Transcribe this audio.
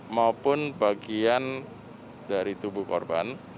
maupun bagian dari tubuh korban